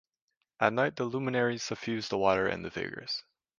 At night, the luminaries suffuse the water and the figures.